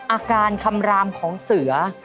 อาการคำรามของเสือ